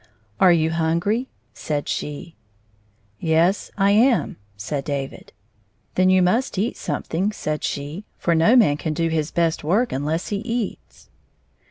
" Are you hungry ?" said she. " Yes ; I am," said David. " Then you must eat something," said she, " for no man can do his best work unless he eats."